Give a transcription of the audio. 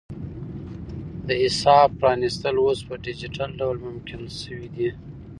د حساب پرانیستل اوس په ډیجیټل ډول ممکن شوي دي.